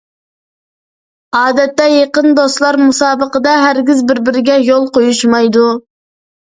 ئادەتتە يېقىن دوستلار مۇسابىقىدە ھەرگىز بىر-بىرىگە يول قويۇشمايدۇ.